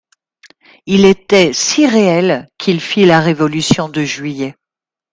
Il était si réel qu'il fit la révolution de Juillet.